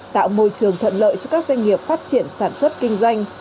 tạo môi trường thuận lợi cho các doanh nghiệp phát triển sản xuất kinh doanh